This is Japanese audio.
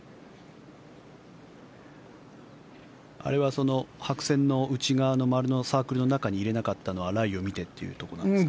あれは白線の内側の丸のサークルの中に入れなかったのはライを見てというところですかね？